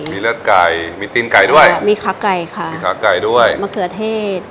มีเลือดไก่มีตีนไก่ด้วยมีขาไก่ค่ะมีขาไก่ด้วยมะเขือเทศ